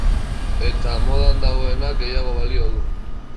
Eta modan dagoenak gehiago balio du.